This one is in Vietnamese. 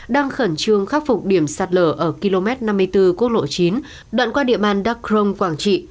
đang khẩn trương khắc phục điểm sạt lở ở km năm mươi bốn quốc lộ chín đoạn qua địa man đắc crong quảng trị